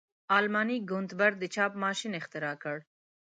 آلماني ګونتبر د چاپ ماشین اختراع کړ.